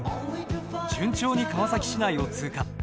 順調に川崎市内を通過。